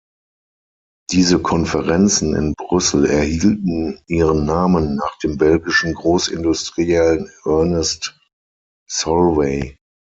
Diese Konferenzen in Brüssel erhielten ihren Namen nach dem belgischen Großindustriellen Ernest Solvay.